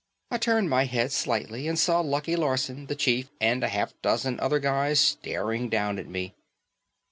I turned my head slightly and saw Lucky Larson, the chief and a half dozen other guys staring down at me.